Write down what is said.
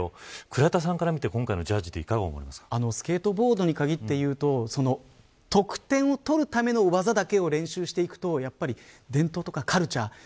倉田さんから見て今回のジャッジはスケートボードに限っていうと得点を取るための技だけを練習していくと伝統とかカルチャー